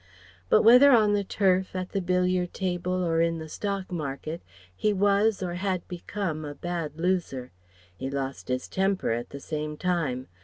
But whether on the Turf, at the billiard table, or in the stock market he was or had become a bad loser. He lost his temper at the same time.